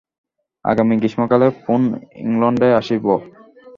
আগামী গ্রীষ্মকালে পুন ইংলণ্ডে আসিব।